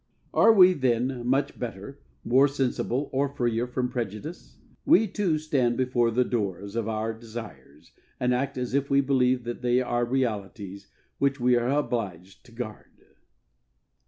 Are we then, much better, more sensible, or freer from prejudice? We too stand before the doors of our desires and act as if we believed that they are realities which we are obliged to guard.